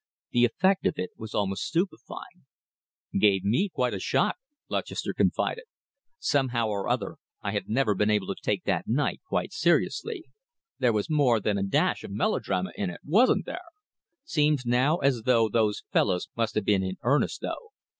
The effect of it was almost stupefying. "Gave me quite a shock," Lutchester confided. "Somehow or other I had never been able to take that night quite seriously. There was more than a dash of melodrama in it, wasn't there? Seems now as though those fellows must have been in earnest, though."